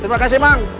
terima kasih bang